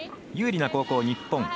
有利な後攻、日本。